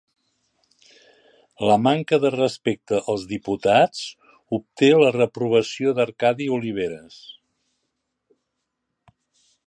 La manca de respecte als diputats obté la reprovació d'Arcadi Oliveres